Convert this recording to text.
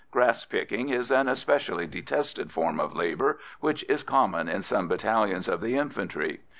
Grass picking is an especially detested form of labour which is common in some battalions of the infantry.